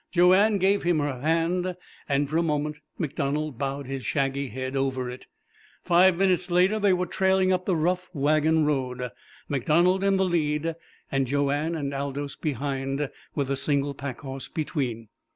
Joanne gave him her hand, and for a moment MacDonald bowed his shaggy head over it. Five minutes later they were trailing up the rough wagon road, MacDonald in the lead, and Joanne and Aldous behind, with the single pack horse between.